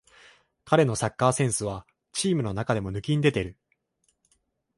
彼のサッカーセンスはチームの中で抜きんでてる